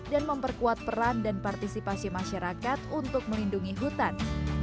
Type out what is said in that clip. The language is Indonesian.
dan memperkuat peran dan partisipasi masyarakat untuk melindungi hutan